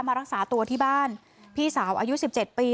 มารักษาตัวที่บ้านพี่สาวอายุ๑๗ปี